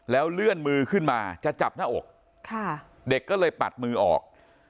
แล้วเลื่อนมือขึ้นมาจะจับหน้าอกเด็กก็เลยปัดมือออก